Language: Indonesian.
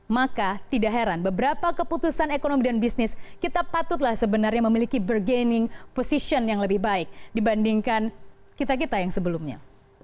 maka tidak heran beberapa keputusan ekonomi dan bisnis kita patutlah sebenarnya memiliki bergaining position yang lebih baik dibandingkan kita kita yang sebelumnya